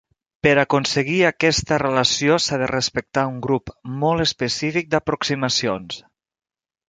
Per aconseguir aquesta relació s'ha de respectar un grup molt específic d'aproximacions.